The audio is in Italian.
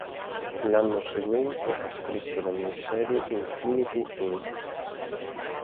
L'anno seguente ha scritto la miniserie "Infinity, Inc.